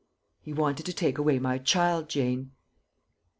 "He wanted to take away my child, Jane."